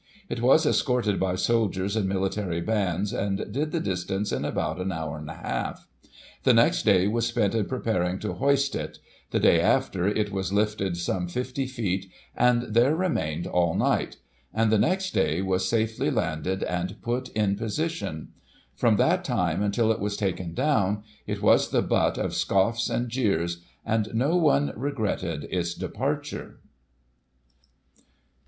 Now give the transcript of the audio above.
It was escorted by soldiers and military bands, and did the distance in about sm hour a half. The next day was spent in preparing to hoist it ; the day after, it was lifted some 50 feet, and there remained all night — and the next day was safely landed and put in position. From that time, until it was taken down, it was the butt of scoffs and jeers, and no one regretted its depar ture.